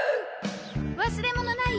忘れ物ない？